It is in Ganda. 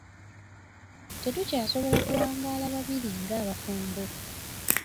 Tetukyasobola kuwangaala babiri nga abafumbo.